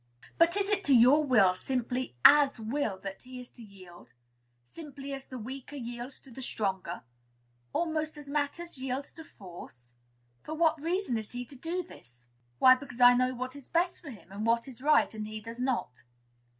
"But is it to your will simply as will that he is to yield? Simply as the weaker yields to the stronger, almost as matter yields to force? For what reason is he to do this?" "Why, because I know what is best for him, and what is right; and he does not."